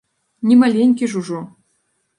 Не маленькі ж ужо!